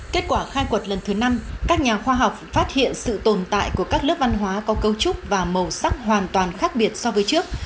kết quả khai quật lần thứ năm các nhà khoa học phát hiện sự tồn tại của các lớp văn hóa có cấu trúc và màu sắc hoàn toàn khác biệt so với trước